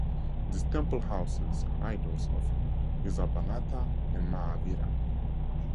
This temple houses idols of Rishabhanatha and Mahavira.